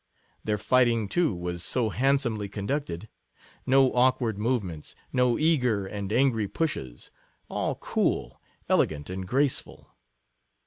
Their fighting, too, was so handsome ly conducted; no awkward movements; no eager and angry pushes ; all cool, elegant, and graceful.